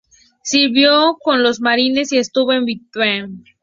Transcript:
Sirvió con los marines y estuvo en Vietnam.